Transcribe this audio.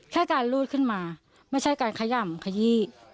อาจารย์รูดขึ้นมาไม่ใช่การขย่ำขยี้